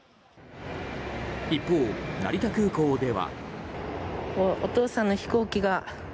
一方、成田空港では。